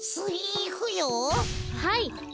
はい。